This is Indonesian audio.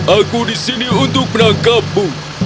aku di sini untuk menangkapku